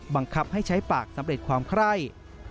บังคับให้ใช้ปากสำเร็จความไคร่